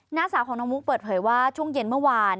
หน้าสาวของน้องมุกเปิดเผยว่าช่วงเย็นเมื่อวาน